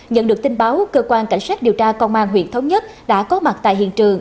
nhận được tin báo cơ quan cảnh sát điều tra công an huyện thống nhất đã có mặt tại hiện trường